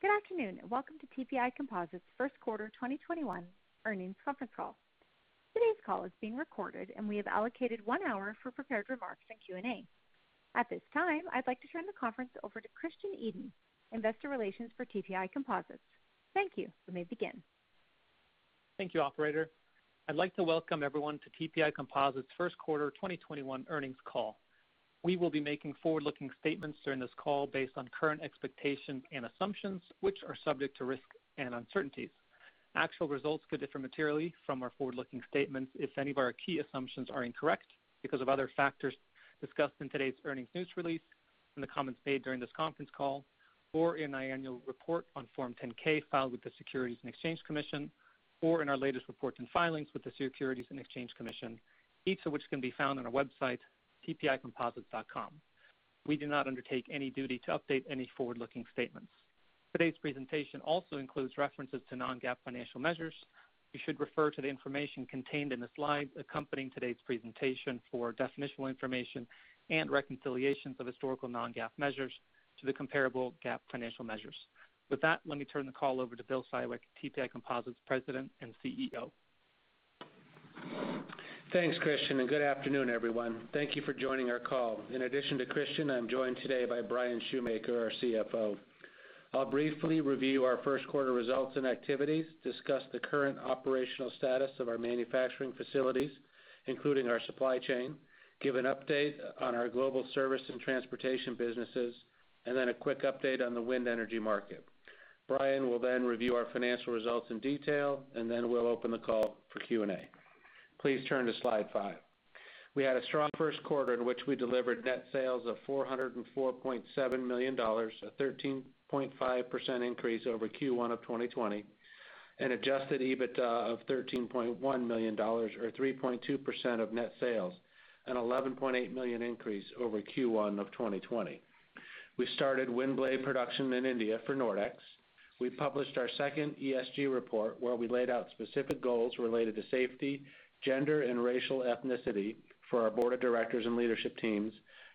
Good afternoon, and welcome to TPI Composites' first quarter 2021 earnings conference call. Today's call is being recorded, and we have allocated one hour for prepared remarks and Q&A. At this time, I'd like to turn the conference over to Christian Edin, investor relations for TPI Composites. Thank you. You may begin. Thank you, operator. I'd like to welcome everyone to TPI Composites' first quarter 2021 earnings call. We will be making forward-looking statements during this call based on current expectations and assumptions, which are subject to risk and uncertainties. Actual results could differ materially from our forward-looking statements if any of our key assumptions are incorrect because of other factors discussed in today's earnings news release, in the comments made during this conference call, or in our annual report on Form 10-K filed with the Securities and Exchange Commission, or in our latest reports and filings with the Securities and Exchange Commission, each of which can be found on our website, tpicomposites.com. We do not undertake any duty to update any forward-looking statements. Today's presentation also includes references to non-GAAP financial measures. You should refer to the information contained in the slides accompanying today's presentation for definitional information and reconciliations of historical non-GAAP measures to the comparable GAAP financial measures. With that, let me turn the call over to Bill Siwek, TPI Composites President and CEO. Thanks, Christian. Good afternoon, everyone. Thank you for joining our call. In addition to Christian, I'm joined today by Bryan Schumaker, our CFO. I'll briefly review our first quarter results and activities, discuss the current operational status of our manufacturing facilities, including our supply chain, give an update on our global service and transportation businesses, and then a quick update on the wind energy market. Bryan will then review our financial results in detail, and then we'll open the call for Q&A. Please turn to slide five. We had a strong first quarter in which we delivered net sales of $404.7 million, a 13.5% increase over Q1 2020, and adjusted EBITDA of $13.1 million, or 3.2% of net sales, an $11.8 million increase over Q1 2020. We started wind blade production in India for Nordex. We published our second ESG report, where we laid out specific goals related to safety, gender, and racial ethnicity for our board of directors and leadership teams,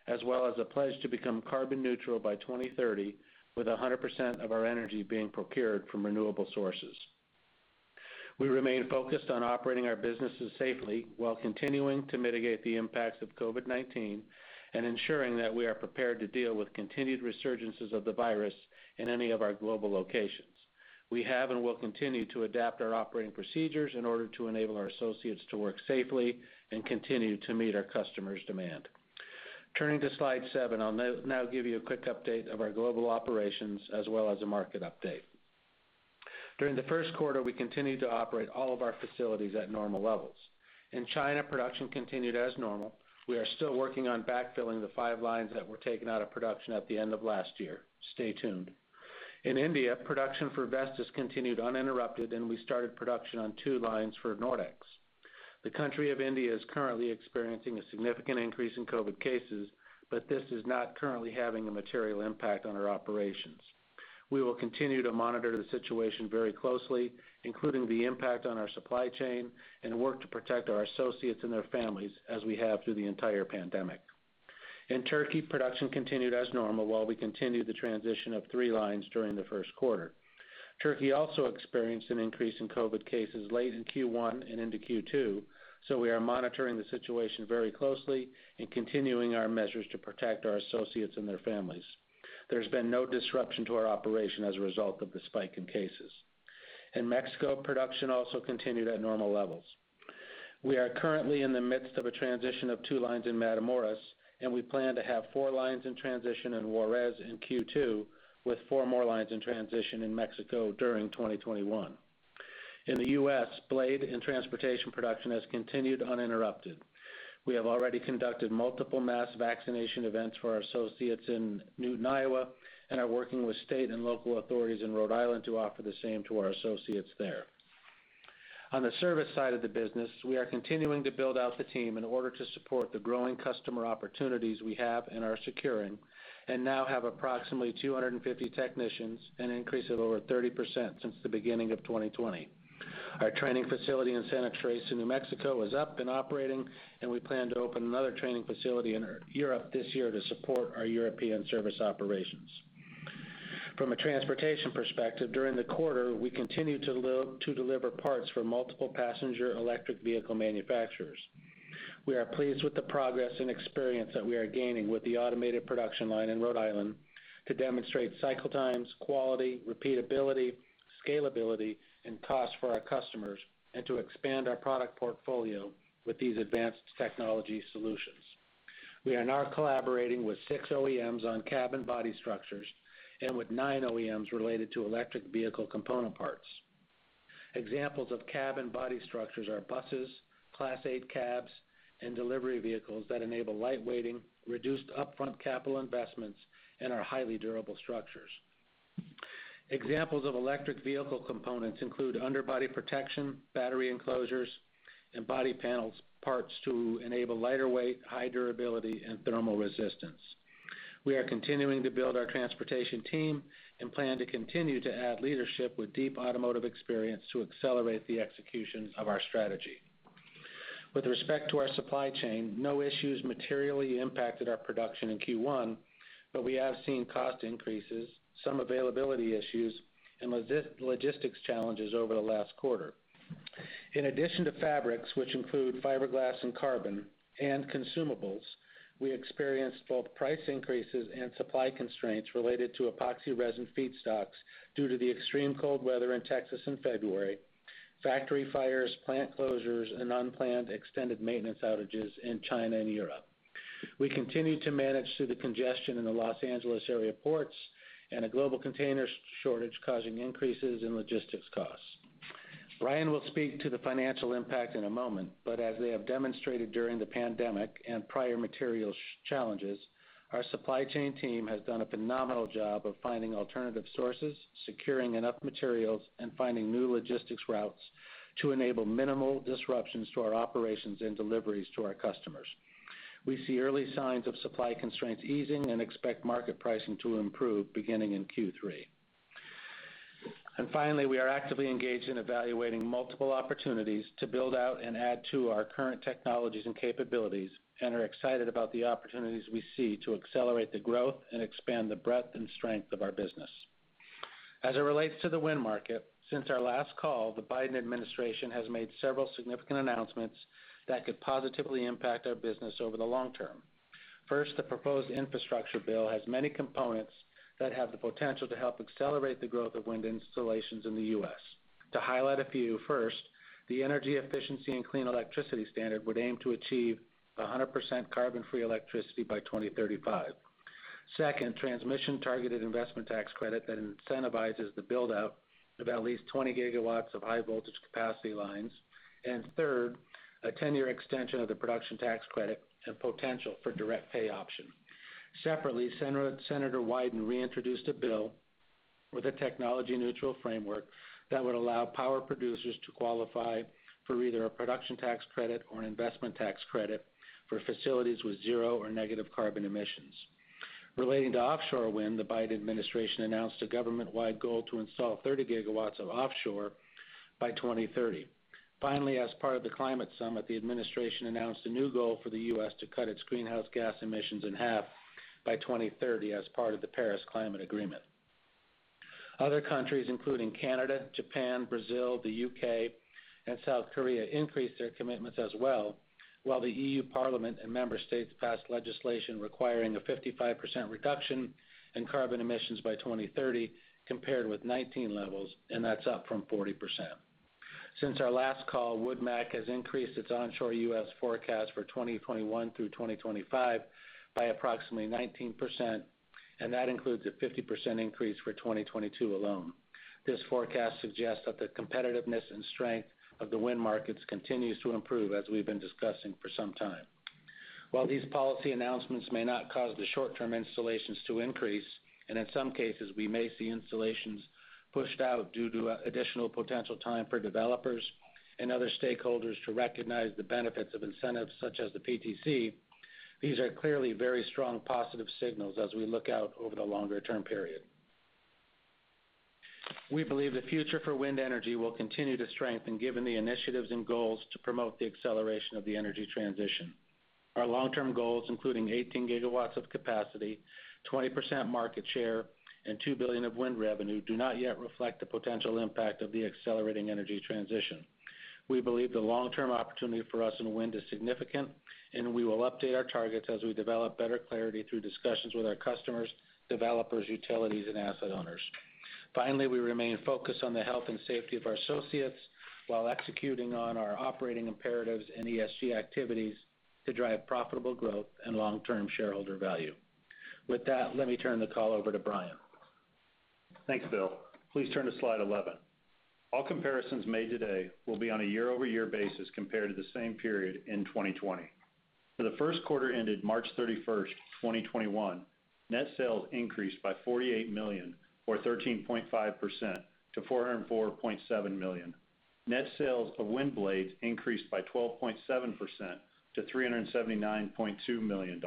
as well as a pledge to become carbon neutral by 2030, with 100% of our energy being procured from renewable sources. We remain focused on operating our businesses safely while continuing to mitigate the impacts of COVID-19 and ensuring that we are prepared to deal with continued resurgences of the virus in any of our global locations. We have and will continue to adapt our operating procedures in order to enable our associates to work safely and continue to meet our customers' demand. Turning to slide seven, I'll now give you a quick update of our global operations as well as a market update. During the first quarter, we continued to operate all of our facilities at normal levels. In China, production continued as normal. We are still working on backfilling the five lines that were taken out of production at the end of last year. Stay tuned. In India, production for Vestas continued uninterrupted, and we started production on two lines for Nordex. The country of India is currently experiencing a significant increase in COVID cases, but this is not currently having a material impact on our operations. We will continue to monitor the situation very closely, including the impact on our supply chain, and work to protect our associates and their families as we have through the entire pandemic. In Turkey, production continued as normal while we continued the transition of three lines during the first quarter. Turkey also experienced an increase in COVID cases late in Q1 and into Q2. We are monitoring the situation very closely and continuing our measures to protect our associates and their families. There's been no disruption to our operation as a result of the spike in cases. In Mexico, production also continued at normal levels. We are currently in the midst of a transition of two lines in Matamoros, and we plan to have four lines in transition in Juarez in Q2, with four more lines in transition in Mexico during 2021. In the U.S., blade and transportation production has continued uninterrupted. We have already conducted multiple mass vaccination events for our associates in Newton, Iowa, and are working with state and local authorities in Rhode Island to offer the same to our associates there. On the service side of the business, we are continuing to build out the team in order to support the growing customer opportunities we have and are securing, and now have approximately 250 technicians, an increase of over 30% since the beginning of 2020. Our training facility in Santa Teresa, New Mexico, is up and operating, and we plan to open another training facility in Europe this year to support our European service operations. From a transportation perspective, during the quarter, we continued to deliver parts for multiple passenger electric vehicle manufacturers. We are pleased with the progress and experience that we are gaining with the automated production line in Rhode Island to demonstrate cycle times, quality, repeatability, scalability, and cost for our customers, and to expand our product portfolio with these advanced technology solutions. We are now collaborating with six OEMs on cabin body structures and with nine OEMs related to electric vehicle component parts. Examples of cabin body structures are buses, class eight cabs, and delivery vehicles that enable light weighting, reduced upfront capital investments, and are highly durable structures. Examples of electric vehicle components include underbody protection, battery enclosures, and body panels parts to enable lighter weight, high durability, and thermal resistance. We are continuing to build our transportation team and plan to continue to add leadership with deep automotive experience to accelerate the execution of our strategy. With respect to our supply chain, no issues materially impacted our production in Q1, but we have seen cost increases, some availability issues, and logistics challenges over the last quarter. In addition to fabrics, which include fiberglass and carbon and consumables, we experienced both price increases and supply constraints related to epoxy resin feedstocks due to the extreme cold weather in Texas in February, factory fires, plant closures, and unplanned extended maintenance outages in China and Europe. We continue to manage through the congestion in the Los Angeles area ports and a global container shortage causing increases in logistics costs. Bryan will speak to the financial impact in a moment, but as they have demonstrated during the pandemic and prior materials challenges, our supply chain team has done a phenomenal job of finding alternative sources, securing enough materials, and finding new logistics routes to enable minimal disruptions to our operations and deliveries to our customers. We see early signs of supply constraints easing and expect market pricing to improve beginning in Q3. Finally, we are actively engaged in evaluating multiple opportunities to build out and add to our current technologies and capabilities and are excited about the opportunities we see to accelerate the growth and expand the breadth and strength of our business. As it relates to the wind market, since our last call, the Biden administration has made several significant announcements that could positively impact our business over the long term. First, the proposed infrastructure bill has many components that have the potential to help accelerate the growth of wind installations in the U.S. To highlight a few. First, the Energy Efficiency and Clean Electricity Standard would aim to achieve 100% carbon-free electricity by 2035. Second, transmission targeted investment tax credit that incentivizes the build-out of at least 20 GW of high-voltage capacity lines. Third, a 10-year extension of the production tax credit and potential for direct pay option. Separately, Senator Wyden reintroduced a bill with a technology-neutral framework that would allow power producers to qualify for either a production tax credit or an investment tax credit for facilities with zero or negative carbon emissions. Relating to offshore wind, the Biden administration announced a government-wide goal to install 30 GW of offshore by 2030. As part of the Climate Summit, the administration announced a new goal for the U.S. to cut its greenhouse gas emissions in half by 2030 as part of the Paris Climate Agreement. Other countries, including Canada, Japan, Brazil, the U.K., and South Korea, increased their commitments as well, while the EU Parliament and member states passed legislation requiring a 55% reduction in carbon emissions by 2030 compared with 2019 levels, and that's up from 40%. Since our last call, Wood Mac has increased its onshore U.S. forecast for 2021 through 2025 by approximately 19%, and that includes a 50% increase for 2022 alone. This forecast suggests that the competitiveness and strength of the wind markets continues to improve, as we've been discussing for some time. While these policy announcements may not cause the short-term installations to increase, and in some cases, we may see installations pushed out due to additional potential time for developers and other stakeholders to recognize the benefits of incentives such as the PTC, these are clearly very strong positive signals as we look out over the longer-term period. We believe the future for wind energy will continue to strengthen given the initiatives and goals to promote the acceleration of the energy transition. Our long-term goals, including 18 GW of capacity, 20% market share, and $2 billion of wind revenue, do not yet reflect the potential impact of the accelerating energy transition. We believe the long-term opportunity for us in wind is significant. We will update our targets as we develop better clarity through discussions with our customers, developers, utilities, and asset owners. Finally, we remain focused on the health and safety of our associates while executing on our operating imperatives and ESG activities to drive profitable growth and long-term shareholder value. With that, let me turn the call over to Bryan. Thanks, Bill. Please turn to slide 11. All comparisons made today will be on a year-over-year basis compared to the same period in 2020. For the first quarter ended March 31st, 2021, net sales increased by $48 million or 13.5% to $404.7 million. Net sales of wind blades increased by 12.7% to $379.2 million.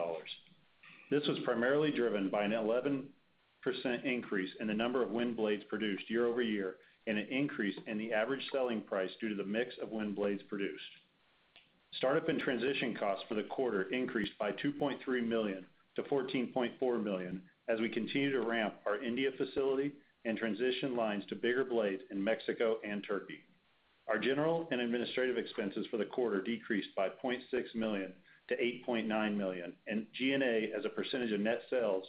This was primarily driven by an 11% increase in the number of wind blades produced year-over-year and an increase in the average selling price due to the mix of wind blades produced. Startup and transition costs for the quarter increased by $2.3 million to $14.4 million as we continue to ramp our India facility and transition lines to bigger blades in Mexico and Turkey. Our general and administrative expenses for the quarter decreased by $0.6 million to $8.9 million, and G&A as a percentage of net sales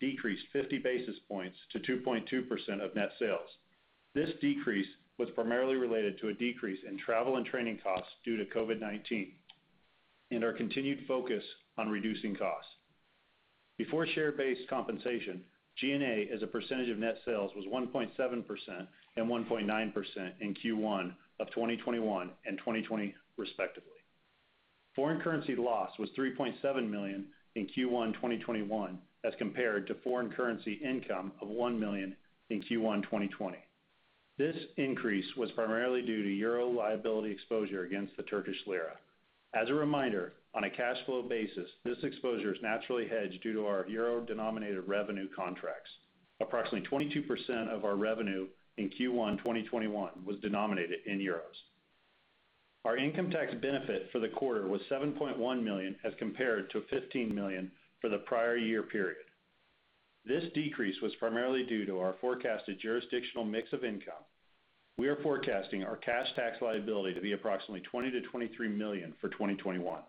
decreased 50 basis points to 2.2% of net sales. This decrease was primarily related to a decrease in travel and training costs due to COVID-19 and our continued focus on reducing costs. Before share-based compensation, G&A as a percentage of net sales was 1.7% and 1.9% in Q1 of 2021 and 2020 respectively. Foreign currency loss was $3.7 million in Q1 2021 as compared to foreign currency income of $1 million in Q1 2020. This increase was primarily due to euro liability exposure against the Turkish lira. As a reminder, on a cash flow basis, this exposure is naturally hedged due to our euro-denominated revenue contracts. Approximately 22% of our revenue in Q1 2021 was denominated in euros. Our income tax benefit for the quarter was $7.1 million as compared to $15 million for the prior year period. This decrease was primarily due to our forecasted jurisdictional mix of income. We are forecasting our cash tax liability to be approximately $20 million-$23 million for 2021.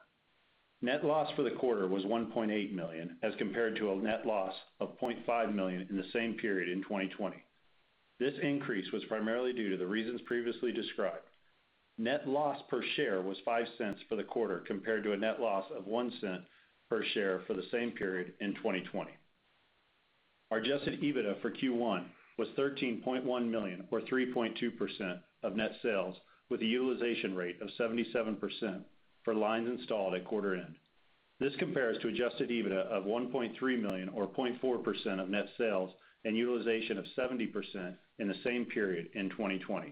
Net loss for the quarter was $1.8 million as compared to a net loss of $0.5 million in the same period in 2020. This increase was primarily due to the reasons previously described. Net loss per share was $0.05 for the quarter compared to a net loss of $0.01 per share for the same period in 2020. Our adjusted EBITDA for Q1 was $13.1 million, or 3.2% of net sales, with a utilization rate of 77% for lines installed at quarter end. This compares to adjusted EBITDA of $1.3 million, or 0.4% of net sales, and utilization of 70% in the same period in 2020.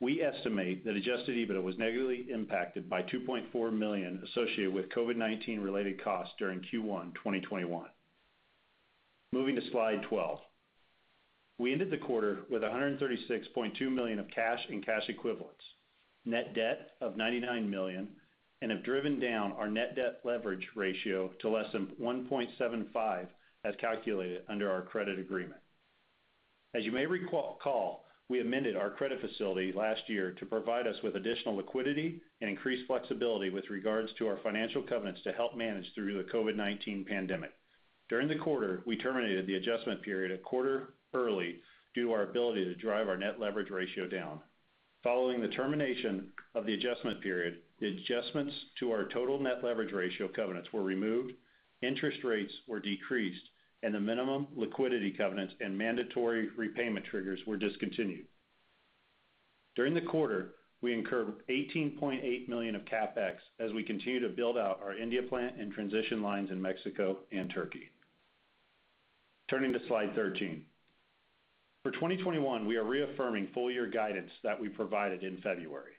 We estimate that adjusted EBITDA was negatively impacted by $2.4 million associated with COVID-19 related costs during Q1 2021. Moving to slide 12. We ended the quarter with $136.2 million of cash and cash equivalents, net debt of $99 million, and have driven down our net debt leverage ratio to less than 1.75 as calculated under our credit agreement. As you may recall, we amended our credit facility last year to provide us with additional liquidity and increased flexibility with regards to our financial covenants to help manage through the COVID-19 pandemic. During the quarter, we terminated the adjustment period a quarter early due to our ability to drive our net leverage ratio down. Following the termination of the adjustment period, the adjustments to our total net leverage ratio covenants were removed, interest rates were decreased, and the minimum liquidity covenants and mandatory repayment triggers were discontinued. During the quarter, we incurred $18.8 million of CapEx as we continue to build out our India plant and transition lines in Mexico and Turkey. Turning to slide 13. For 2021, we are reaffirming full year guidance that we provided in February.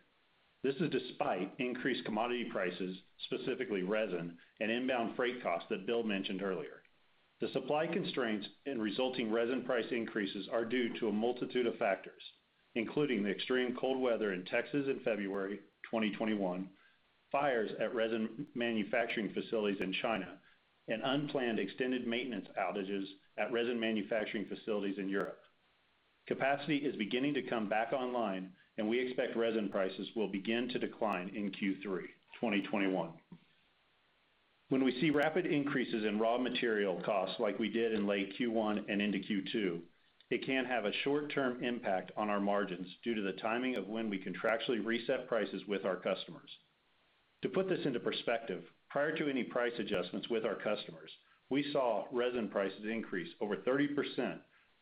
This is despite increased commodity prices, specifically resin and inbound freight costs that Bill mentioned earlier. The supply constraints and resulting resin price increases are due to a multitude of factors, including the extreme cold weather in Texas in February 2021, fires at resin manufacturing facilities in China, and unplanned extended maintenance outages at resin manufacturing facilities in Europe. Capacity is beginning to come back online, and we expect resin prices will begin to decline in Q3 2021. When we see rapid increases in raw material costs like we did in late Q1 and into Q2, it can have a short-term impact on our margins due to the timing of when we contractually reset prices with our customers. To put this into perspective, prior to any price adjustments with our customers, we saw resin prices increase over 30%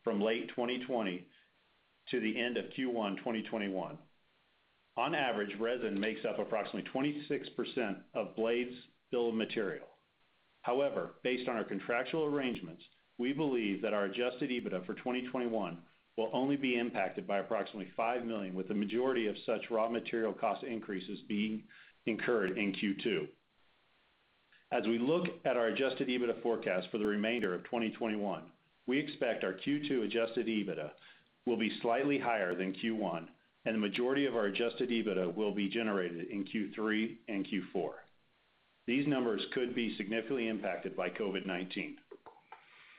from late 2020 to the end of Q1 2021. On average, resin makes up approximately 26% of blades bill of material. However, based on our contractual arrangements, we believe that our adjusted EBITDA for 2021 will only be impacted by approximately $5 million, with the majority of such raw material cost increases being incurred in Q2. As we look at our adjusted EBITDA forecast for the remainder of 2021, we expect our Q2 adjusted EBITDA will be slightly higher than Q1, and the majority of our adjusted EBITDA will be generated in Q3 and Q4. These numbers could be significantly impacted by COVID-19.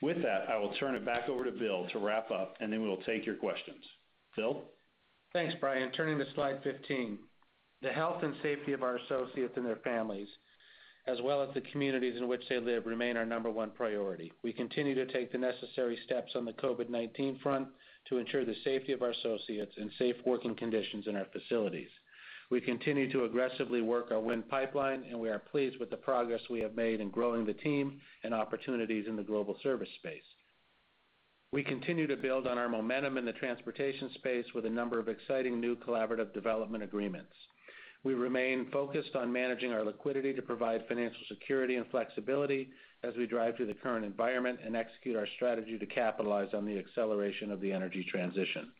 With that, I will turn it back over to Bill to wrap up, and then we'll take your questions. Bill? Thanks, Bryan. Turning to slide 15. The health and safety of our associates and their families, as well as the communities in which they live, remain our number one priority. We continue to take the necessary steps on the COVID-19 front to ensure the safety of our associates and safe working conditions in our facilities. We continue to aggressively work our wind pipeline, and we are pleased with the progress we have made in growing the team and opportunities in the global service space. We continue to build on our momentum in the transportation space with a number of exciting new collaborative development agreements. We remain focused on managing our liquidity to provide financial security and flexibility as we drive through the current environment and execute our strategy to capitalize on the acceleration of the energy transition.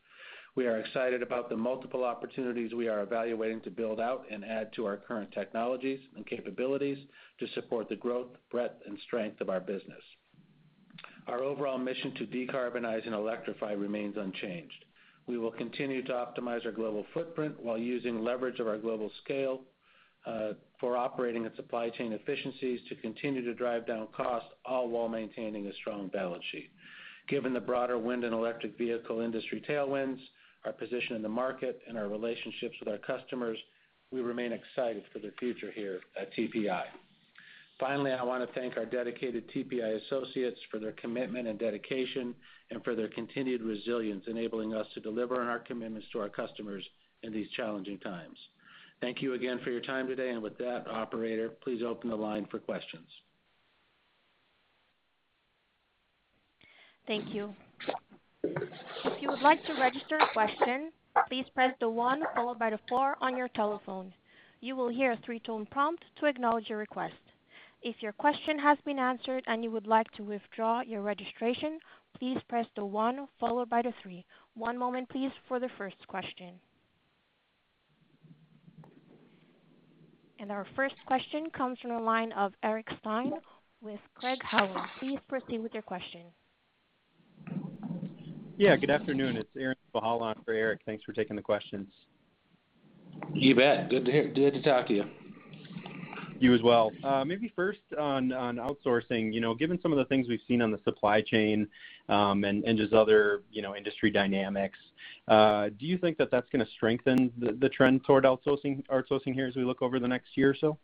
We are excited about the multiple opportunities we are evaluating to build out and add to our current technologies and capabilities to support the growth, breadth, and strength of our business. Our overall mission to decarbonize and electrify remains unchanged. We will continue to optimize our global footprint while using leverage of our global scale for operating and supply chain efficiencies to continue to drive down costs, all while maintaining a strong balance sheet. Given the broader wind and electric vehicle industry tailwinds, our position in the market, and our relationships with our customers, we remain excited for the future here at TPI. Finally, I want to thank our dedicated TPI associates for their commitment and dedication and for their continued resilience, enabling us to deliver on our commitments to our customers in these challenging times. Thank you again for your time today. With that, operator, please open the line for questions. Thank you. If you would like to register a question please press the one followed by the four on your telephone, you will hear three tone prompt to indulge your request. If your question has been answered and you would like to withdraw your registration, please press the one followed by the three. One moment please for the first question. Our first question comes from the line of Eric Stine with Craig-Hallum. Please proceed with your question. Yeah, good afternoon. It's Aaron Spychalla for Eric. Thanks for taking the questions. You bet. Good to hear. Good to talk to you. You as well. Maybe first on outsourcing. Given some of the things we've seen on the supply chain, and just other industry dynamics, do you think that that's going to strengthen the trend toward outsourcing here as we look over the next year or so?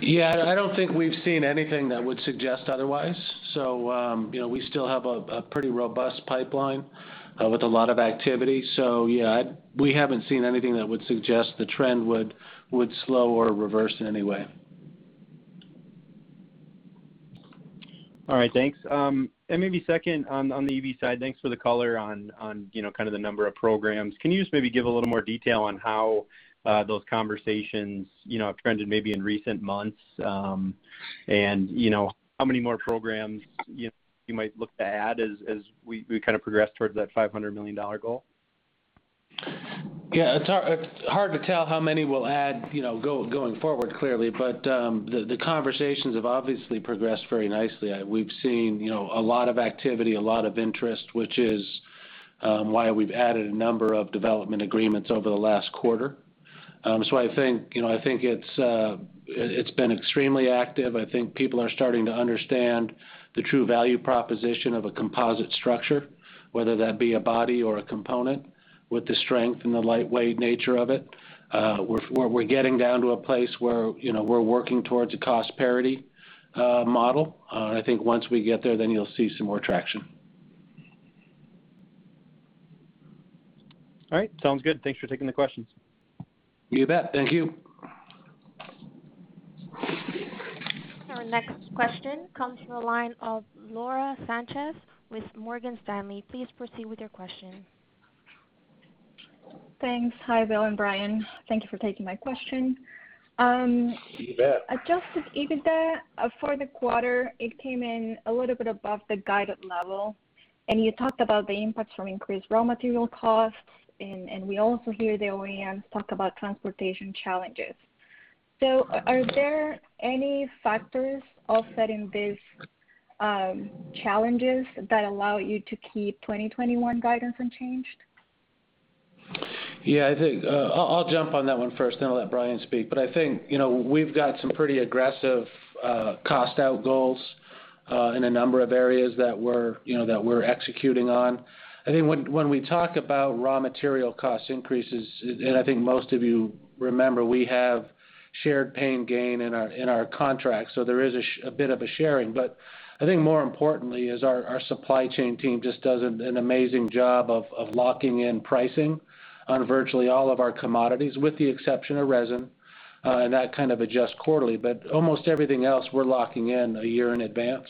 Yeah, I don't think we've seen anything that would suggest otherwise. We still have a pretty robust pipeline with a lot of activity. Yeah, we haven't seen anything that would suggest the trend would slow or reverse in any way. All right. Thanks. Maybe second, on the EV side, thanks for the color on the number of programs. Can you just maybe give a little more detail on how those conversations have trended maybe in recent months? How many more programs you might look to add as we progress towards that $500 million goal? It's hard to tell how many we'll add going forward clearly. The conversations have obviously progressed very nicely. We've seen a lot of activity, a lot of interest, which is why we've added a number of development agreements over the last quarter. I think it's been extremely active. I think people are starting to understand the true value proposition of a composite structure, whether that be a body or a component with the strength and the lightweight nature of it. We're getting down to a place where we're working towards a cost parity model. I think once we get there, you'll see some more traction. All right. Sounds good. Thanks for taking the questions. You bet. Thank you. Our next question comes from the line of Laura Sanchez with Morgan Stanley. Please proceed with your question. Thanks. Hi, Bill and Bryan. Thank you for taking my question. You bet. Adjusted EBITDA for the quarter, it came in a little bit above the guided level. You talked about the impacts from increased raw material costs. We also hear the OEMs talk about transportation challenges. Are there any factors offsetting these challenges that allow you to keep 2021 guidance unchanged? Yeah. I'll jump on that one first. I'll let Bryan speak. I think we've got some pretty aggressive cost-out goals in a number of areas that we're executing on. I think when we talk about raw material cost increases, I think most of you remember, we have shared pain gain in our contracts. There is a bit of a sharing. I think more importantly is our supply chain team just does an amazing job of locking in pricing on virtually all of our commodities, with the exception of resin. That kind of adjusts quarterly. Almost everything else, we're locking in a year in advance.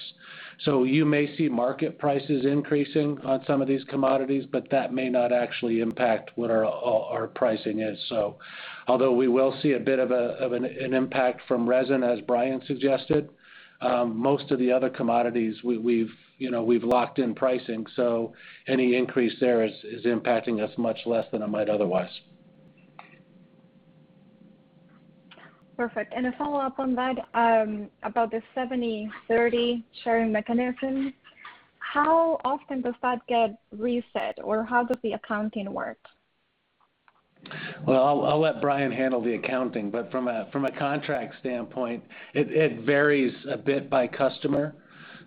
You may see market prices increasing on some of these commodities. That may not actually impact what our pricing is. We will see a bit of an impact from resin, as Bryan suggested, most of the other commodities we've locked in pricing. Any increase there is impacting us much less than it might otherwise. Perfect. A follow-up on that, about the 70-30 sharing mechanism. How often does that get reset, or how does the accounting work? I'll let Bryan handle the accounting, but from a contract standpoint, it varies a bit by customer.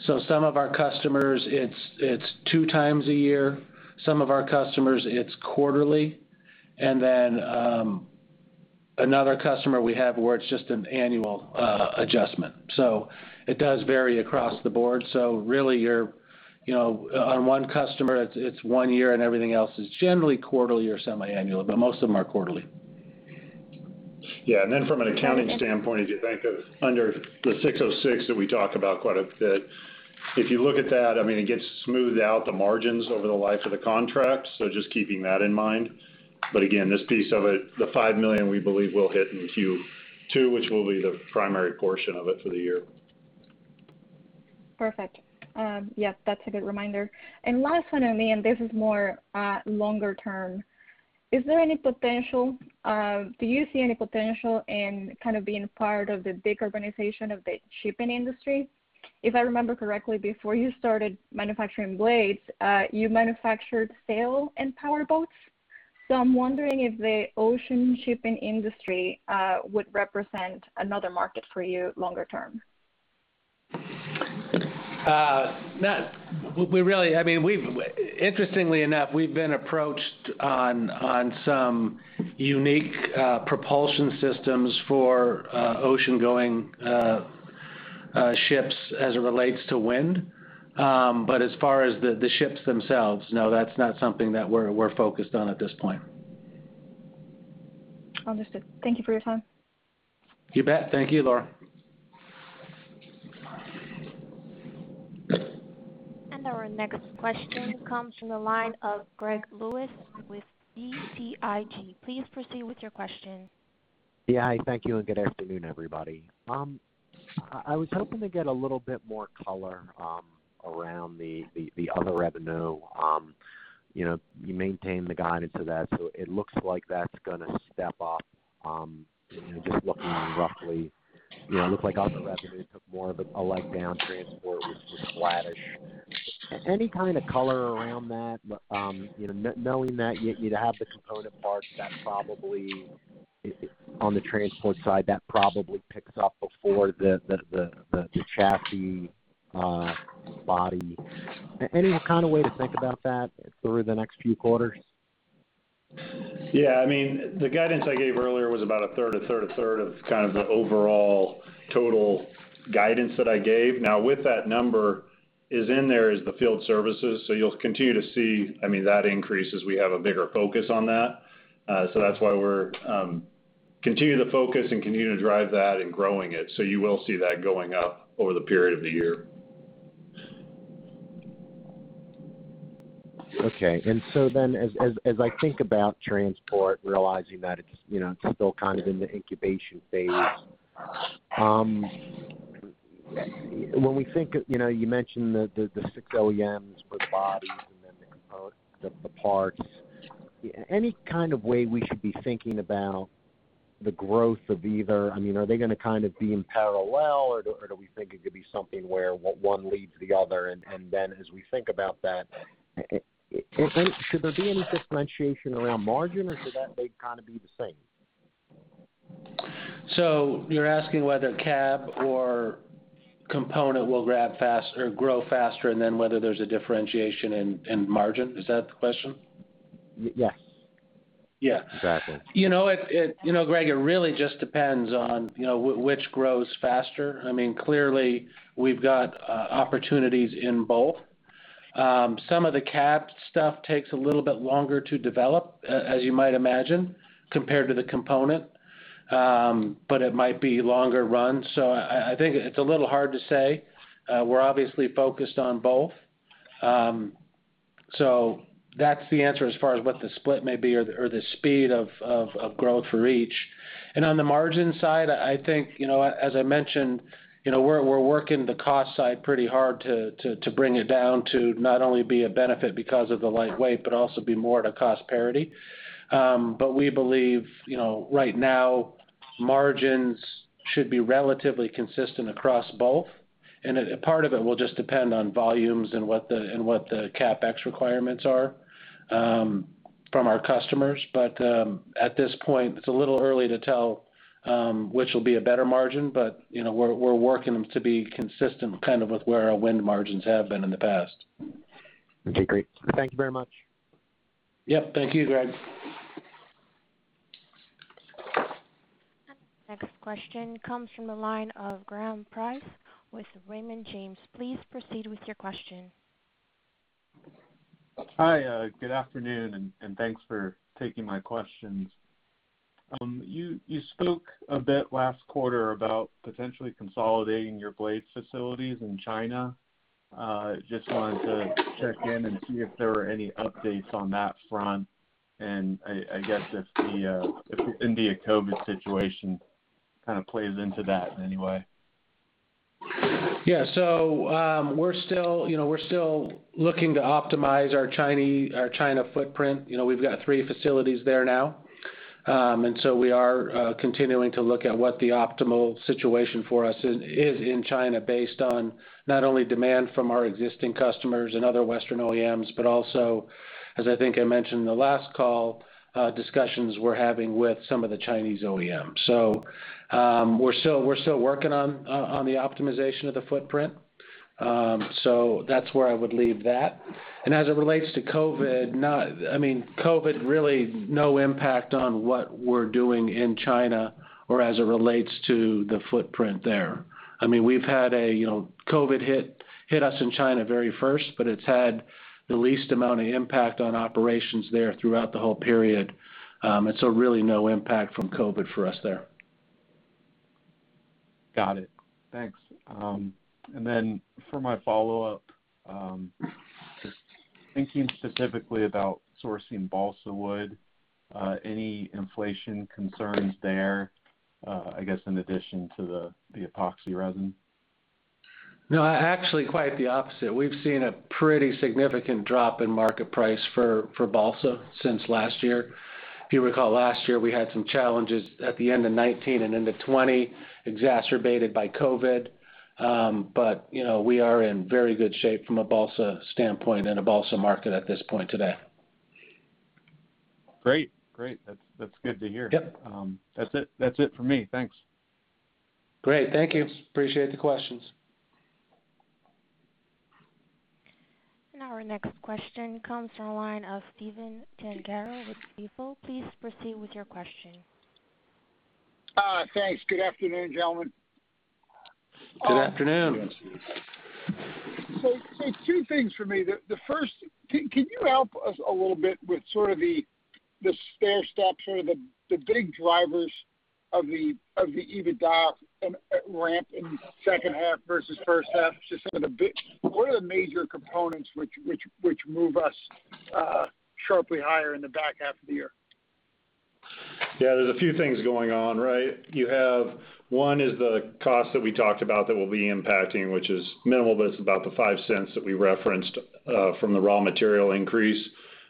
Some of our customers, it's two times a year. Some of our customers, it's quarterly. Another customer we have where it's just an annual adjustment. It does vary across the board. Really on one customer, it's one year and everything else is generally quarterly or semi-annual, but most of them are quarterly. From an accounting standpoint, if you think of under the 606 that we talk about quite a bit. If you look at that, it gets smoothed out the margins over the life of the contract. Just keeping that in mind. Again, this piece of it, the $5 million we believe we'll hit in Q2, which will be the primary portion of it for the year. Perfect. Yep, that's a good reminder. Last one on me, and this is more longer term. Do you see any potential in being part of the decarbonization of the shipping industry? If I remember correctly, before you started manufacturing blades, you manufactured sail and powerboats. I'm wondering if the ocean shipping industry would represent another market for you longer term. Interestingly enough, we've been approached on some unique propulsion systems for ocean-going ships as it relates to wind. As far as the ships themselves, no, that's not something that we're focused on at this point. Understood. Thank you for your time. You bet. Thank you, Laura. Our next question comes from the line of Greg Lewis with BTIG. Please proceed with your question. Hi, thank you and good afternoon, everybody. I was hoping to get a little bit more color around the other revenue. You maintain the guidance of that, it looks like that's going to step up. Just looking roughly, it looks like other revenue took more of a leg down. transport was just flattish. Any kind of color around that? Knowing that you'd have the component parts, on the transport side, that probably picks up before the chassis body. Any kind of way to think about that through the next few quarters? Yeah. The guidance I gave earlier was about a third, a third, a third of kind of the overall total guidance that I gave. With that number is in there is the field services. You'll continue to see that increase as we have a bigger focus on that. That's why we're continue to focus and continue to drive that and growing it. You will see that going up over the period of the year. Okay. As I think about transport, realizing that it's still kind of in the incubation phase. You mentioned the six OEMs for the bodies and then the parts. Any kind of way we should be thinking about the growth of either? Are they going to kind of be in parallel, or do we think it could be something where one leads the other? As we think about that, should there be any differentiation around margin, or should that they kind of be the same? You're asking whether cab or component will grow faster, and then whether there's a differentiation in margin. Is that the question? Yes. Yeah. Exactly. Greg, it really just depends on which grows faster. We've got opportunities in both. Some of the cab stuff takes a little bit longer to develop, as you might imagine, compared to the component. It might be longer run. I think it's a little hard to say. We're obviously focused on both. That's the answer as far as what the split may be or the speed of growth for each. On the margin side, I think, as I mentioned, we're working the cost side pretty hard to bring it down to not only be a benefit because of the lightweight, but also be more at a cost parity. We believe, right now, margins should be relatively consistent across both. Part of it will just depend on volumes and what the CapEx requirements are from our customers. At this point, it's a little early to tell which will be a better margin. We're working them to be consistent with where our wind margins have been in the past. Okay, great. Thank you very much. Yep. Thank you, Greg. Next question comes from the line of Graham Price with Raymond James. Please proceed with your question. Hi, good afternoon, and thanks for taking my questions. You spoke a bit last quarter about potentially consolidating your blades facilities in China. Just wanted to check in and see if there were any updates on that front, and I guess if the India COVID situation kind of plays into that in any way. Yeah. We're still looking to optimize our China footprint. We've got three facilities there now. We are continuing to look at what the optimal situation for us is in China based on not only demand from our existing customers and other Western OEMs, but also, as I think I mentioned in the last call, discussions we're having with some of the Chinese OEMs. We're still working on the optimization of the footprint. That's where I would leave that. As it relates to COVID, really no impact on what we're doing in China or as it relates to the footprint there. COVID hit us in China very first, but it's had the least amount of impact on operations there throughout the whole period. Really no impact from COVID for us there. Got it. Thanks. For my follow-up, just thinking specifically about sourcing balsa wood, any inflation concerns there, I guess, in addition to the epoxy resin? No, actually quite the opposite. We've seen a pretty significant drop in market price for balsa since last year. If you recall, last year, we had some challenges at the end of 2019 and into 2020, exacerbated by COVID. We are in very good shape from a balsa standpoint and a balsa market at this point today. Great. That's good to hear. Yep. That's it for me. Thanks. Great. Thank you. Appreciate the questions. Our next question comes from the line of Stephen Gengaro with Stifel. Please proceed with your question. Thanks. Good afternoon, gentlemen. Good afternoon. Two things for me. The first, can you help us a little bit with sort of the stair steps, sort of the big drivers of the EBITDA ramp in the second half versus first half? Just some of the major components which move us sharply higher in the back half of the year? There's a few things going on, right? You have one is the cost that we talked about that we'll be impacting, which is minimal, but it's about the $0.05 that we referenced from the raw material increase.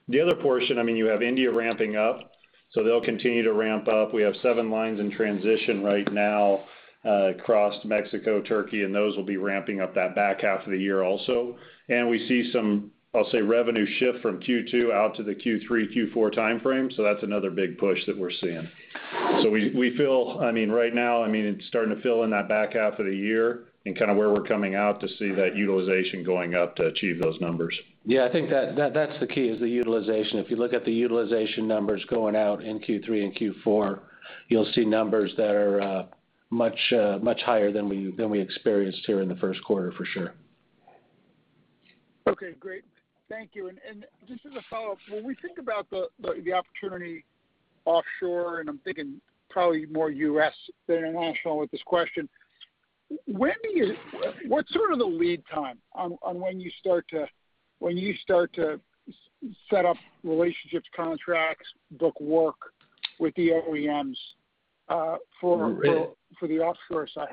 The other portion, you have India ramping up, they'll continue to ramp up. We have seven lines in transition right now across Mexico, Turkey, those will be ramping up that back half of the year also. We see some, I'll say, revenue shift from Q2 out to the Q3, Q4 timeframe. That's another big push that we're seeing. We feel right now, it's starting to fill in that back half of the year and kind of where we're coming out to see that utilization going up to achieve those numbers. Yeah, I think that's the key is the utilization. If you look at the utilization numbers going out in Q3 and Q4, you'll see numbers that are much higher than we experienced here in the first quarter, for sure. Okay, great. Thank you. Just as a follow-up, when we think about the opportunity offshore, and I'm thinking probably more U.S. than international with this question, what's sort of the lead time on when you start to set up relationships, contracts, book work with the OEMs for the offshore side?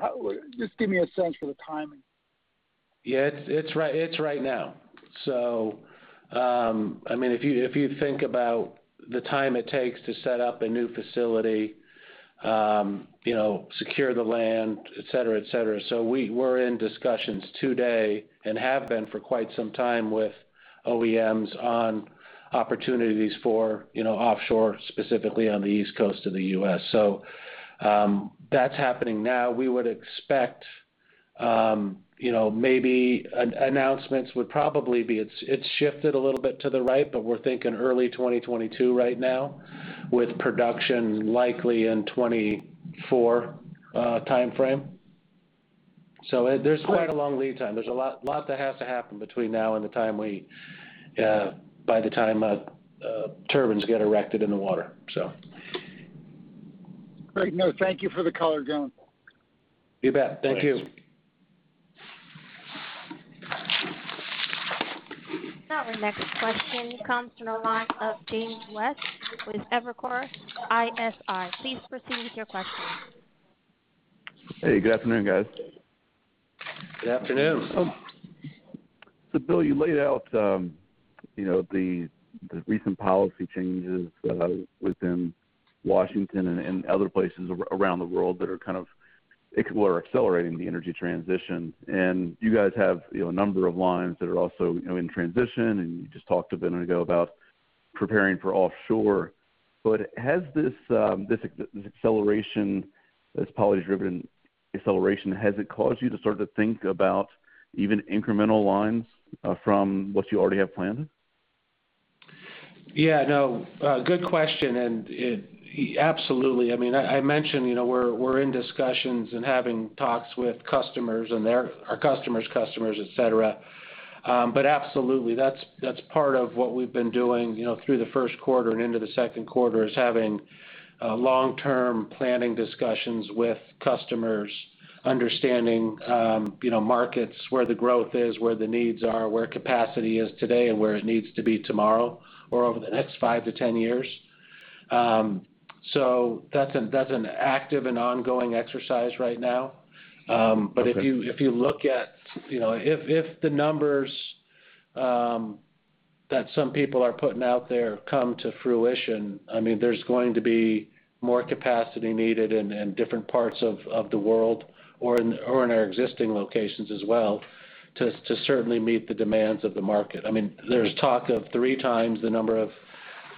Just give me a sense for the timing. It's right now. If you think about the time it takes to set up a new facility, secure the land, et cetera. We're in discussions today and have been for quite some time with OEMs on opportunities for offshore, specifically on the East Coast of the U.S. That's happening now. We would expect maybe announcements would probably be shifted a little bit to the right, but we're thinking early 2022 right now, with production likely in 2024 timeframe. There's quite a long lead time. There's a lot that has to happen between now and by the time turbines get erected in the water. Great. No, thank you for the color, John. You bet. Thank you. Our next question comes from the line of James West with Evercore ISI. Please proceed with your question. Hey, good afternoon, guys. Good afternoon. Bill, you laid out the recent policy changes within Washington and other places around the world that are kind of accelerating the energy transition. You guys have a number of lines that are also in transition, and you just talked a minute ago about preparing for offshore. Has this policy-driven acceleration caused you to start to think about even incremental lines from what you already have planned? Yeah, no. Good question, and absolutely. I mentioned we're in discussions and having talks with customers and our customers' customers, et cetera. Absolutely, that's part of what we've been doing through the first quarter and into the second quarter, is having long-term planning discussions with customers, understanding markets, where the growth is, where the needs are, where capacity is today, and where it needs to be tomorrow or over the next five to 10 years. That's an active and ongoing exercise right now. If the numbers that some people are putting out there come to fruition, there's going to be more capacity needed in different parts of the world or in our existing locations as well to certainly meet the demands of the market. There's talk of three times the number of,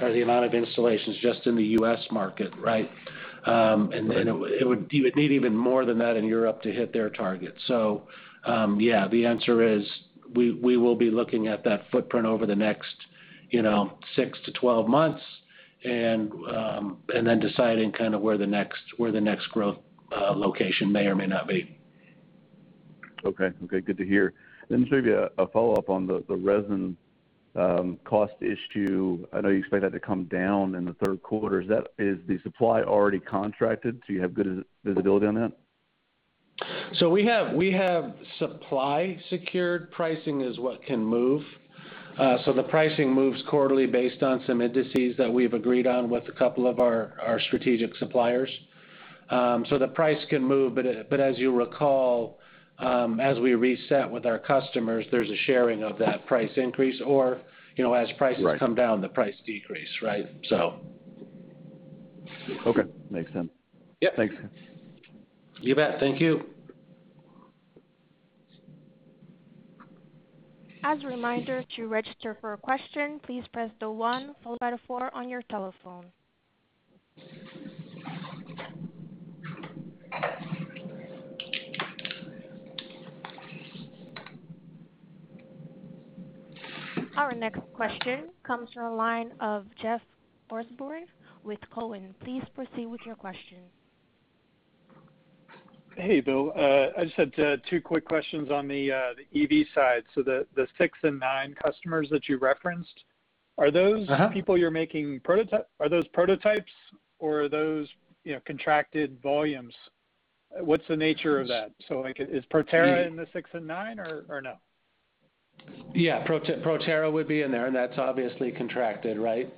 or the amount of installations just in the U.S. market, right? You would need even more than that in Europe to hit their target. Yeah, the answer is we will be looking at that footprint over the next six to 12 months, and then deciding kind of where the next growth location may or may not be. Okay. Good to hear. Just maybe a follow-up on the resin cost issue. I know you expect that to come down in the third quarter. Is the supply already contracted? Do you have good visibility on that? We have supply secured. Pricing is what can move. The pricing moves quarterly based on some indices that we've agreed on with a couple of our strategic suppliers. The price can move, but as you recall, as we reset with our customers, there's a sharing of that price increase, or as prices come down, the price decrease, right? Okay. Makes sense. Yep. Thanks. You bet. Thank you. As reminder to register for question please press the one followed by four on your telephone. Our next question comes from the line of Jeff Osborne with Cowen. Please proceed with your question. Hey, Bill. I just had two quick questions on the EV side. The six and nine customers that you referenced, are those people you're making prototype? Are those prototypes, or are those contracted volumes? What's the nature of that? Like, is Proterra in the six and nine, or no? Yeah. Proterra would be in there, that's obviously contracted, right?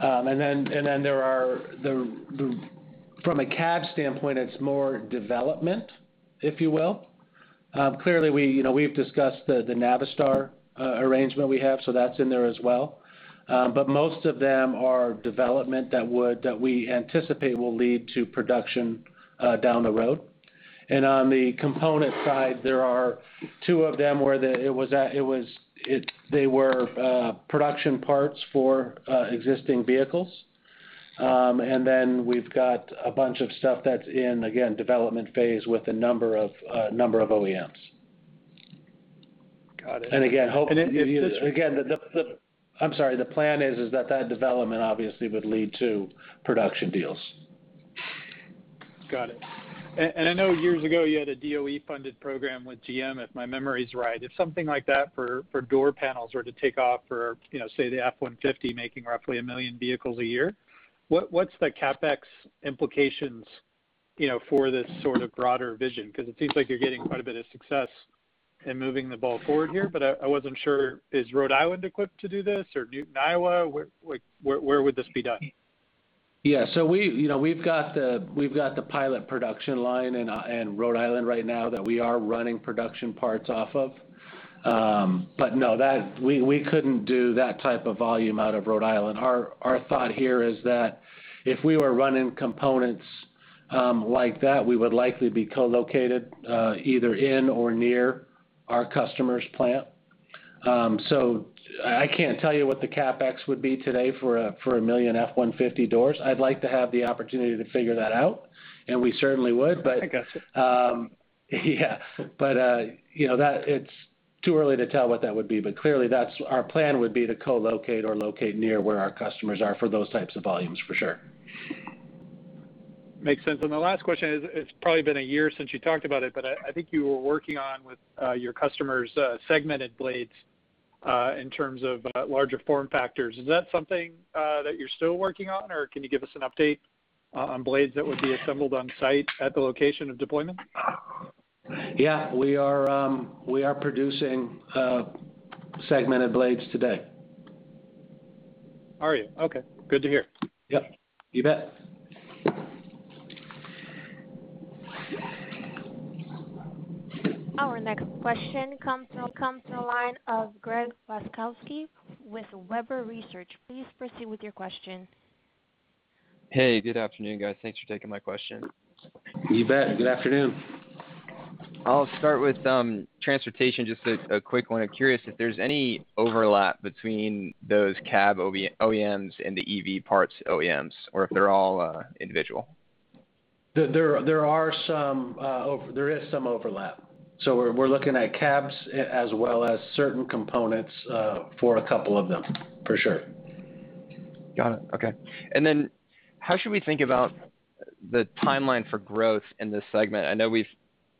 From a cab standpoint, it's more development, if you will. Clearly, we've discussed the Navistar arrangement we have, so that's in there as well. Most of them are development that we anticipate will lead to production down the road. On the component side, there are two of them where they were production parts for existing vehicles. We've got a bunch of stuff that's in, again, development phase with a number of OEMs. Got it. Again, the plan is that that development obviously would lead to production deals. Got it. I know years ago you had a DOE-funded program with GM, if my memory's right. If something like that for door panels were to take off for, say, the F-150 making roughly one million vehicles a year, what's the CapEx implications for this sort of broader vision? Because it seems like you're getting quite a bit of success in moving the ball forward here, but I wasn't sure. Is Rhode Island equipped to do this or Newton, Iowa? Where would this be done? We've got the pilot production line in Rhode Island right now that we are running production parts off of. No, we couldn't do that type of volume out of Rhode Island. Our thought here is that if we were running components like that, we would likely be co-located either in or near our customer's plant. I can't tell you what the CapEx would be today for million F-150 doors. I'd like to have the opportunity to figure that out, and we certainly would. I got you. Yeah. It's too early to tell what that would be, but clearly our plan would be to co-locate or locate near where our customers are for those types of volumes, for sure. Makes sense. The last question is, it's probably been a year since you talked about it, but I think you were working on with your customers segmented blades in terms of larger form factors. Is that something that you're still working on, or can you give us an update on blades that would be assembled on-site at the location of deployment? We are producing segmented blades today. Are you? Okay. Good to hear. Yep. You bet. Our next question comes from the line of Greg Wasikowski with Webber Research. Please proceed with your question. Hey, good afternoon, guys. Thanks for taking my question. You bet. Good afternoon. I'll start with transportation, just a quick one. I'm curious if there's any overlap between those cab OEMs and the EV parts OEMs, or if they're all individual. There is some overlap. We're looking at CapEx as well as certain components for a couple of them, for sure. Got it. Okay. How should we think about the timeline for growth in this segment? I know we've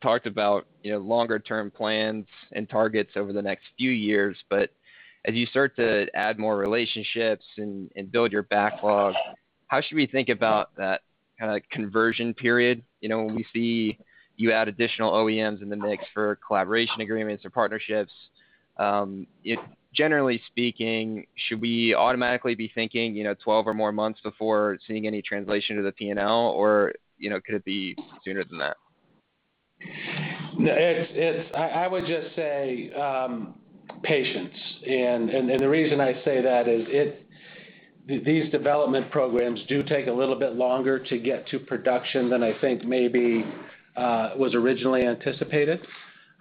talked about longer-term plans and targets over the next few years. As you start to add more relationships and build your backlog, how should we think about that kind of conversion period? When we see you add additional OEMs in the mix for collaboration agreements or partnerships, generally speaking, should we automatically be thinking 12 or more months before seeing any translation to the P&L, or could it be sooner than that? I would just say patience, and the reason I say that is these development programs do take a little bit longer to get to production than I think maybe was originally anticipated.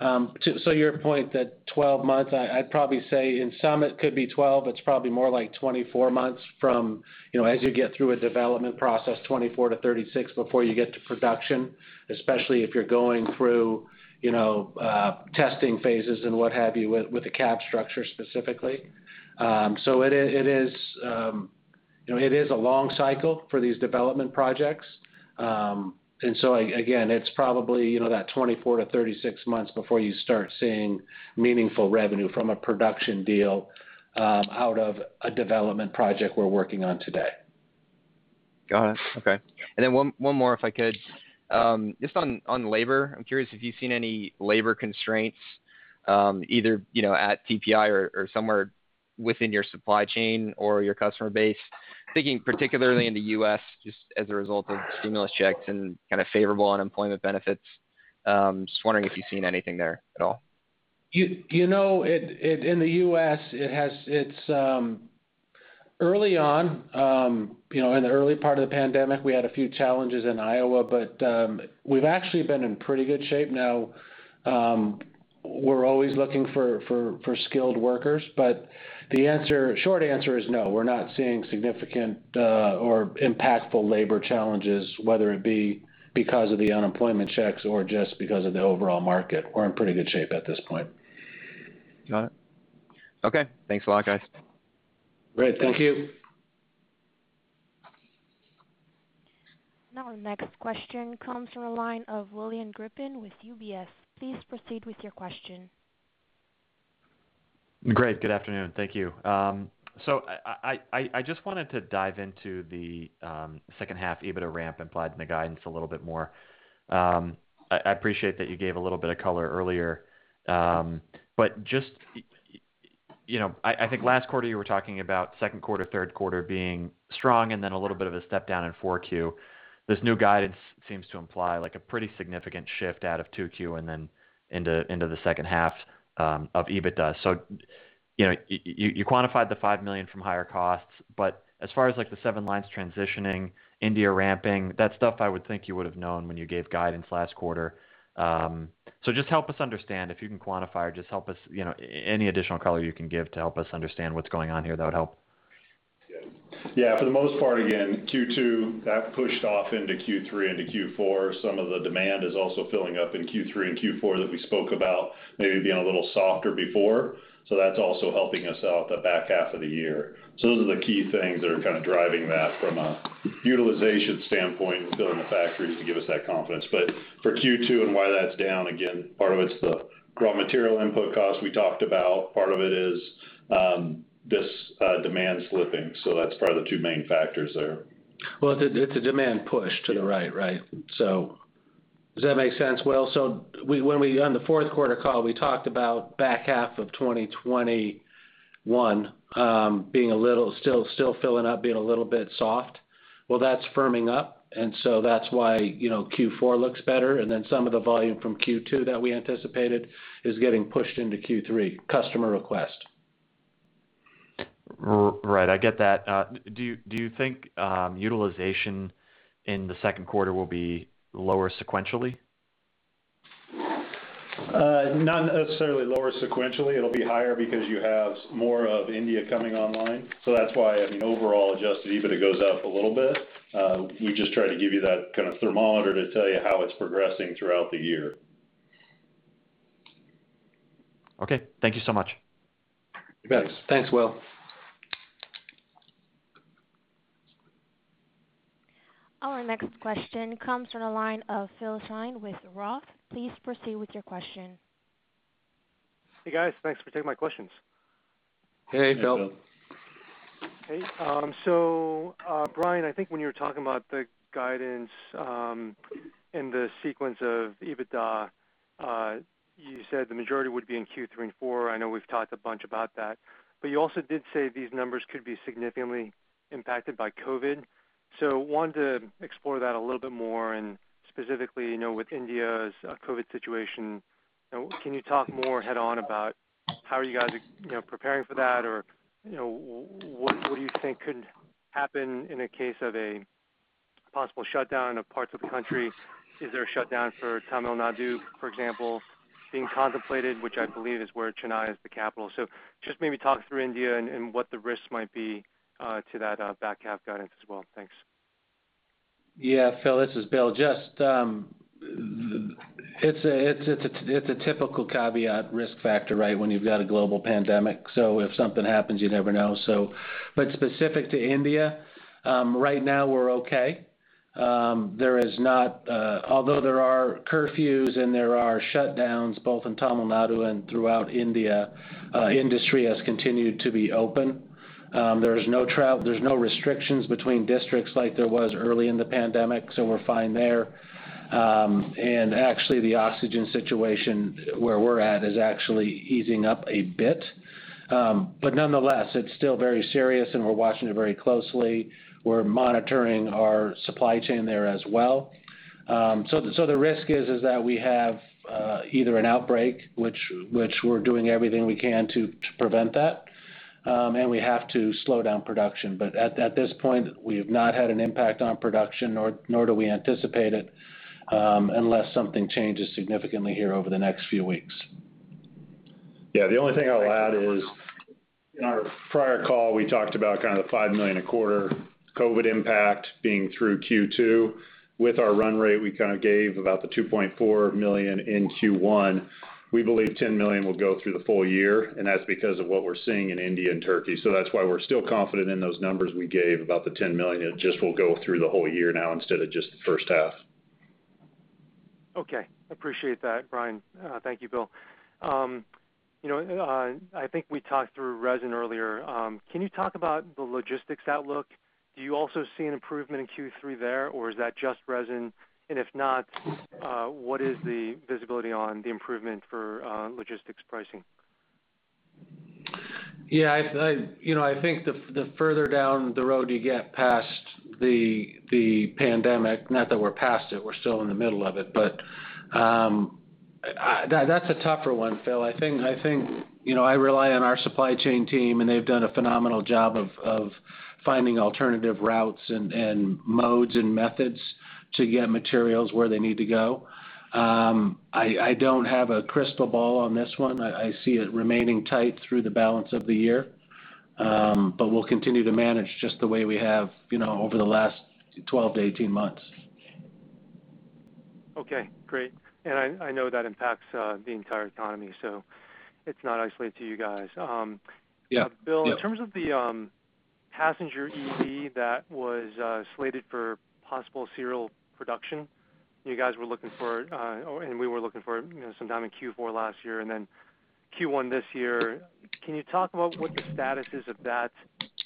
To your point that 12 months, I'd probably say in some it could be 12, it's probably more like 24 months from as you get through a development process, 24-36 before you get to production, especially if you're going through testing phases and what have you, with the cab structure specifically. It is a long cycle for these development projects. Again, it's probably that 24-36 months before you start seeing meaningful revenue from a production deal out of a development project we're working on today. Got it. Okay. Then one more, if I could. Just on labor, I am curious if you've seen any labor constraints either at TPI or somewhere within your supply chain or your customer base, thinking particularly in the U.S., just as a result of stimulus checks and kind of favorable unemployment benefits. Just wondering if you've seen anything there at all. In the U.S., early on, in the early part of the pandemic, we had a few challenges in Iowa, but we've actually been in pretty good shape. Now, we're always looking for skilled workers, but the short answer is no, we're not seeing significant or impactful labor challenges, whether it be because of the unemployment checks or just because of the overall market. We're in pretty good shape at this point. Got it. Okay. Thanks a lot, guys. Great. Thank you. Our next question comes from the line of William Griffin with UBS. Please proceed with your question. Greg, good afternoon. Thank you. I just wanted to dive into the second half EBITDA ramp implied in the guidance a little bit more. I appreciate that you gave a little bit of color earlier. Just I think last quarter you were talking about second quarter, third quarter being strong, and then a little bit of a step down in 4Q. This new guidance seems to imply a pretty significant shift out of 2Q and then into the second half of EBITDA. You quantified the $5 million from higher costs, but as far as the seven lines transitioning, India ramping, that's stuff I would think you would've known when you gave guidance last quarter. Just help us understand, if you can quantify or just any additional color you can give to help us understand what's going on here, that would help. Yeah. For the most part, again, Q2, that pushed off into Q3 into Q4. Some of the demand is also filling up in Q3 and Q4 that we spoke about maybe being a little softer before. That's also helping us out the back half of the year. Those are the key things that are kind of driving that from a utilization standpoint with building the factories to give us that confidence. For Q2 and why that's down, again, part of it's the raw material input cost we talked about. Part of it is this demand slipping. That's probably the two main factors there. It's a demand push to the right. Does that make sense, Will? On the fourth quarter call, we talked about back half of 2021 still filling up, being a little bit soft. That's firming up, that's why Q4 looks better. Some of the volume from Q2 that we anticipated is getting pushed into Q3. Customer request. Right. I get that. Do you think utilization in the second quarter will be lower sequentially? Not necessarily lower sequentially. It'll be higher because you have more of India coming online. That's why an overall adjusted EBITDA goes up a little bit. We just try to give you that kind of thermometer to tell you how it's progressing throughout the year. Okay. Thank you so much. You bet. Thanks, Will. Our next question comes from the line of Phil Shen with Roth. Please proceed with your question. Hey, guys. Thanks for taking my questions. Hey, Phil. Hey, Phil. Hey. Bryan, I think when you were talking about the guidance and the sequence of EBITDA, you said the majority would be in Q3 and four. I know we've talked a bunch about that, but you also did say these numbers could be significantly impacted by COVID. Wanted to explore that a little bit more and specifically, with India's COVID situation. Can you talk more head-on about how are you guys preparing for that? What do you think could happen in a case of a possible shutdown of parts of the country? Is there a shutdown for Tamil Nadu, for example, being contemplated, which I believe is where Chennai is the capital? Just maybe talk through India and what the risks might be to that back half guidance as well. Thanks. Phil, this is Bill. It's a typical caveat risk factor when you've got a global pandemic. Specific to India, right now we're okay. Although there are curfews and there are shutdowns both in Tamil Nadu and throughout India, industry has continued to be open. There's no restrictions between districts like there was early in the pandemic, so we're fine there. Actually, the oxygen situation where we're at is actually easing up a bit. Nonetheless, it's still very serious, and we're watching it very closely. We're monitoring our supply chain there as well. The risk is that we have either an outbreak, which we're doing everything we can to prevent that, and we have to slow down production. At this point, we have not had an impact on production, nor do we anticipate it, unless something changes significantly here over the next few weeks. The only thing I'll add is in our prior call, we talked about kind of the $5 million a quarter COVID impact being through Q2. With our run rate, we kind of gave about the $2.4 million in Q1. We believe $10 million will go through the full year, that's because of what we're seeing in India and Turkey. That's why we're still confident in those numbers we gave about the $10 million. It just will go through the whole year now instead of just the first half. Okay. Appreciate that, Bryan. Thank you, Bill. I think we talked through resin earlier. Can you talk about the logistics outlook? Do you also see an improvement in Q3 there, or is that just resin? If not, what is the visibility on the improvement for logistics pricing? Yeah. I think the further down the road you get past the pandemic, not that we're past it, we're still in the middle of it, but that's a tougher one, Phil. I rely on our supply chain team, and they've done a phenomenal job of finding alternative routes and modes and methods to get materials where they need to go. I don't have a crystal ball on this one. I see it remaining tight through the balance of the year. We'll continue to manage just the way we have over the last 12 months-18 months. Okay. Great. I know that impacts the entire economy, so it's not isolated to you guys. Yeah. Bill, in terms of the passenger EV that was slated for possible serial production, you guys were looking for, and we were looking for sometime in Q4 last year and then Q1 this year. Can you talk about what the status is of that,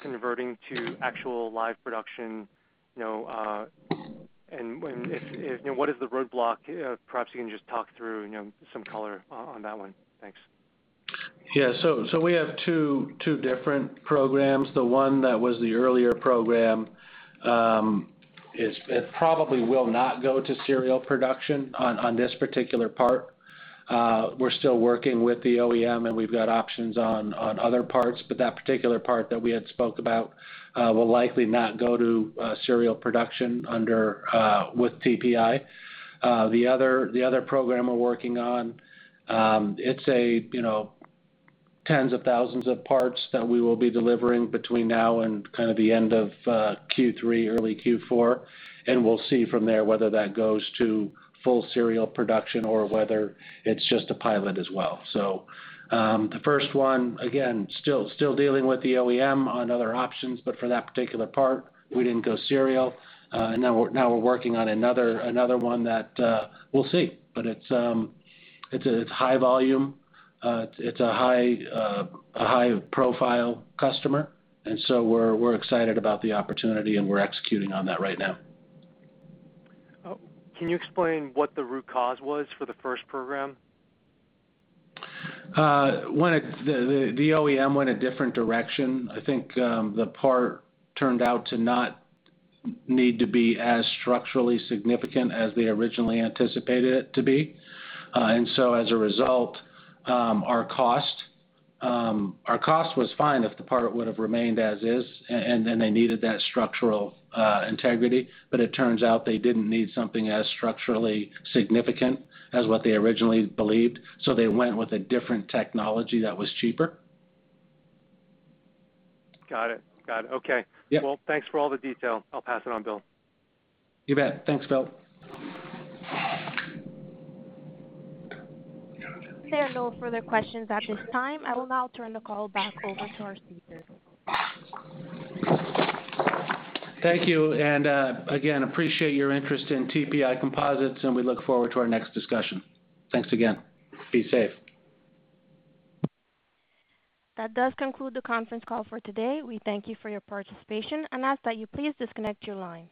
converting to actual live production, and what is the roadblock? Perhaps you can just talk through some color on that one. Thanks. Yeah. We have two different programs. The one that was the earlier program, it probably will not go to serial production on this particular part. We're still working with the OEM, and we've got options on other parts, but that particular part that we had spoke about will likely not go to serial production with TPI. The other program we're working on, it's tens of thousands of parts that we will be delivering between now and kind of the end of Q3, early Q4. We'll see from there whether that goes to full serial production or whether it's just a pilot as well. The first one, again, still dealing with the OEM on other options, but for that particular part, we didn't go serial. Now we're working on another one that we'll see, but it's high volume. It's a high profile customer. We're excited about the opportunity, and we're executing on that right now. Can you explain what the root cause was for the first program? The OEM went a different direction. I think the part turned out to not need to be as structurally significant as they originally anticipated it to be. As a result, our cost was fine if the part would have remained as is, and then they needed that structural integrity. It turns out they didn't need something as structurally significant as what they originally believed. They went with a different technology that was cheaper. Got it. Okay. Yeah. Well, thanks for all the detail. I'll pass it on, Bill. You bet. Thanks, Bill. There are no further questions at this time. I will now turn the call back over to our speakers. Thank you, again, appreciate your interest in TPI Composites, and we look forward to our next discussion. Thanks again. Be safe. That does conclude the conference call for today. We thank you for your participation and ask that you please disconnect your line.